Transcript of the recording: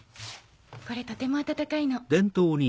これとても暖かいの。